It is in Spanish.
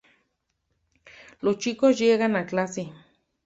Los chicos llegan a clase.